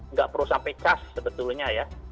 nggak perlu sampai kas sebetulnya ya